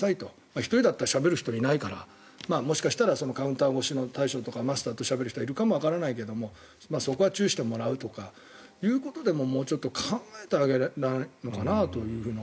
１人だったらしゃべる人いないからもしかしたらカウンター越しの大将とかマスターとしゃべる人がいるかもしれないけどそこは注意してもらうとかということでももうちょっと考えてあげたらどうかなと。